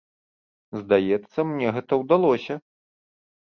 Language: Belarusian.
Здаецца, мне гэта ўдалося.